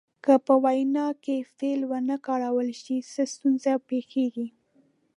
که په وینا کې فعل ونه کارول شي څه ستونزه پیښیږي.